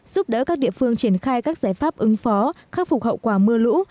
giúp đỡ các địa phương triển khai các giải pháp ứng phó khắc phục hậu quả mưa lũ